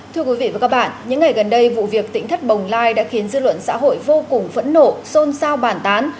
thưa quý vị và các bạn những ngày gần đây vụ việc tỉnh thất bồng lai đã khiến dư luận xã hội vô cùng phẫn nộ xôn xao bản tán